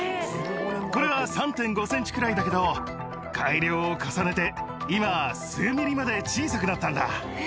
これは３．５センチくらいだけど、改良を重ねて、今は数ミリまで小さくなったんだ。